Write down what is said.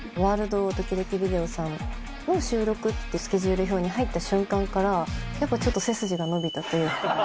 ワールドドキドキビデオさんの収録って、スケジュール帳に入った瞬間から、やっぱちょっと背筋が伸びたというか。